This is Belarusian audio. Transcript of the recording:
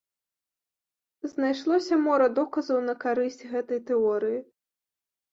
Знайшлося мора доказаў на карысць гэтай тэорыі.